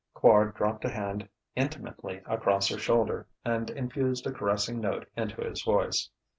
Quard dropped a hand intimately across her shoulder and infused a caressing note into his voice.